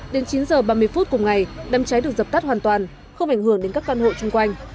đến chín h ba mươi phút cùng ngày đám cháy được dập tắt hoàn toàn không ảnh hưởng đến các căn hộ chung quanh